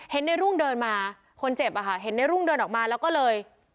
เห็นในรุ่งเดินมาคนเจ็บอะค่ะเห็นในรุ่งเดินออกมาแล้วก็เลย